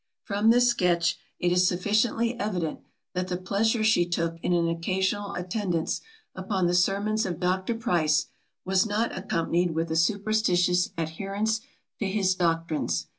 From this sketch, it is sufficiently evident, that the pleasure she took in an occasional attendance upon the sermons of Dr. Price, was not accompanied with a superstitious adherence to his doctrines.